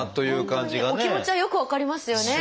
本当にお気持ちはよく分かりますよね。